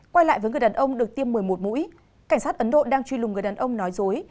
quay lại với người đàn ông được tiêm một mươi một mũi cảnh sát ấn độ đang truy lùng người đàn ông nói dối